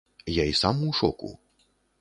Я і сам у шоку.